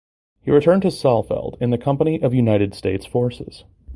He returned to Saalfeld in the company of United States forces.